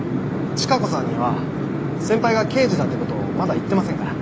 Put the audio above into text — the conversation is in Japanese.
チカ子さんには先輩が刑事だって事まだ言ってませんから。